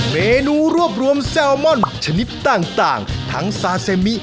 เมนูรวบรวมแซลมอนชนิดต่างทั้งซาเซมิ